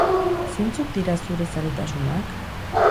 Zeintzuk dira zure zaletasunak?